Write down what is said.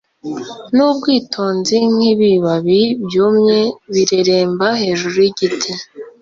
Nubwitonzi nkibibabi byumye bireremba hejuru yigiti